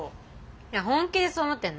いや本気でそう思ってんの？